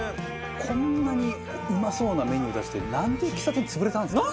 こんなにうまそうなメニュー出してなんで喫茶店潰れたんですかね？